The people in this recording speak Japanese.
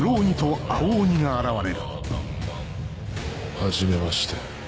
はじめまして。